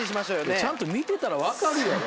ちゃんと見てたら分かるよ。